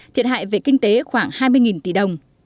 thiệt hại về kinh tế khoảng hai mươi tỷ đồng